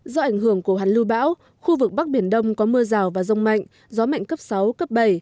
do ảnh hưởng của hoàn lưu bão khu vực bắc biển đông có mưa rào và rông mạnh gió mạnh cấp sáu cấp bảy